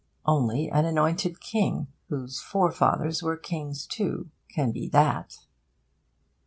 Only an anointed king, whose forefathers were kings too, can be that.